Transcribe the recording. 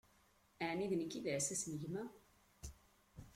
ɛni d nekk i d aɛessas n gma?